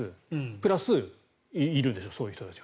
プラス、いるんでしょうそういう人たちが。